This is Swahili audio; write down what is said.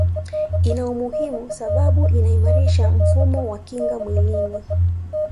ina umuhimu sababu inaimarisha mfumo wa kinga mwilini